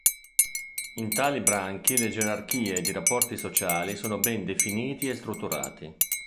In tali branchi le gerarchie ed i rapporti sociali sono ben definiti e strutturati.